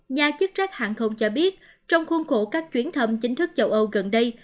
nhà chức trách hàng không cho biết trong khuôn khổ các chuyến thăm chính thức châu âu gần đây